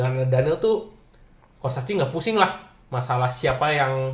karena daniel tuh kalau saksinya gak pusing lah masalah siapa yang